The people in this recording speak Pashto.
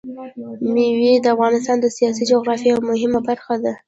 مېوې د افغانستان د سیاسي جغرافیه یوه مهمه برخه ده.